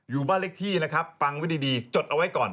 อยู่บ้านเลขที่นะครับฟังไว้ดีจดเอาไว้ก่อน